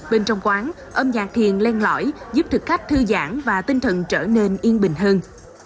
bên trong quán âm nhạc thiền len lõi giúp thực khách thư giãn và tinh thần trở nên yên bình hơn